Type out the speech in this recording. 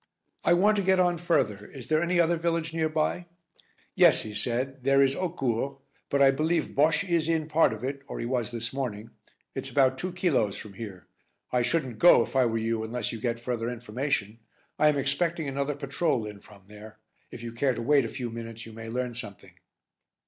"I want to get on further, is there any other village near by?" "Yes," he said, "there is Haucourt, but I believe Bosche is in part of it, or he was this morning. It's about two kilos from here. I shouldn't go if I were you unless you get further information; I am expecting another patrol in from there. If you care to wait a few minutes you may learn something."